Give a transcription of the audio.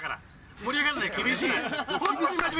盛り上がらないからね。